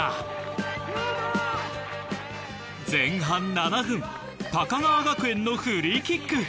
前半７分高川学園のフリーキック。